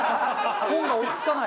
本が追い付かない。